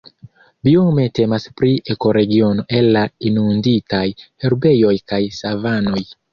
Biome temas pri ekoregiono el la inunditaj herbejoj kaj savanoj.